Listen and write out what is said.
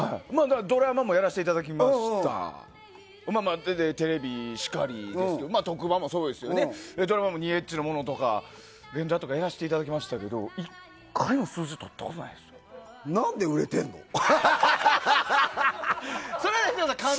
だからドラマもやらせていただきました、まあまあ、で、テレビしかりですよ、特番もそうですよね、ドラマも２Ｈのものとか、連ドラとかやらせていただきましたけど、なんで売れてるの？